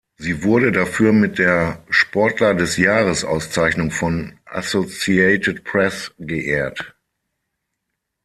Sie wurde dafür mit der Sportler des Jahres-Auszeichnung von Associated Press geehrt.